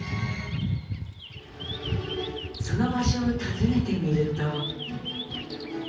その場所を訪ねてみると。